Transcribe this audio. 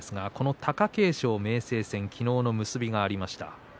貴景勝、明生戦昨日の結びがありました。